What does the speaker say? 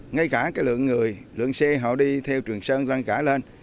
ngay cả lượng người lượng xe họ đi theo trường sân gắn cả lên